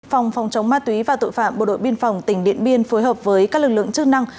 phòng phòng chống ma túy và tội phạm bộ đội biên phòng tỉnh điện biên phối hợp với các lực lượng chức năng